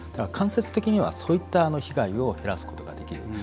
間接的には、そういった被害を減らすことができる。